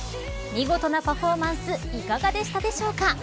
見事なパフォーマンスいかがでしたでしょうか。